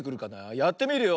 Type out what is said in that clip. やってみるよ。